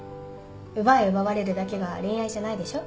奪い奪われるだけが恋愛じゃないでしょ？